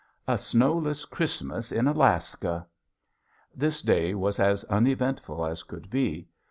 A snowless Christmas in Alaska! This day was as uneventful as could be.